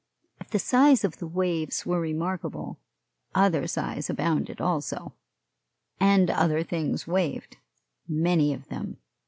If the size of the waves were remarkable, other sighs abounded also, and other things waved many of them.